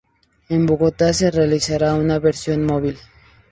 En Bogotá se realizara una versión móvil.